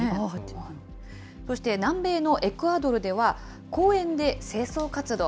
そして南米のエクアドルでは、公園で清掃活動。